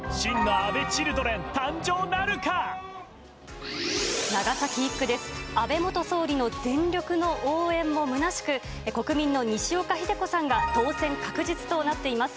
安倍元総理の全力の応援もむなしく、国民の西岡秀子さんが当選確実となっています。